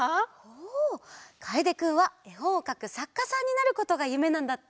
かえでくんはえほんをかくさっかさんになることがゆめなんだって。